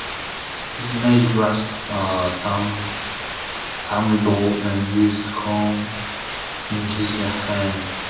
His image grasped a thunderbolt and ears of corn in his left hand.